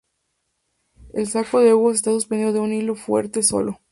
El saco de huevos está suspendido de un hilo fuerte solo.